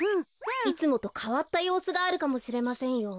いつもとかわったようすがあるかもしれませんよ。